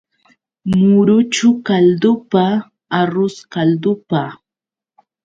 Muruchu kaldupa, arrus kaldupa.